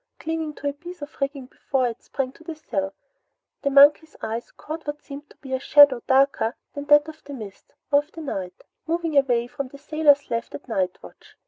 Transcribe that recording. Clinging to a piece of rigging before it sprang to the sill, the monkey's eyes caught what seemed to be a shadow darker than that of the mist or of the night, moving away from the sailor left at night watch.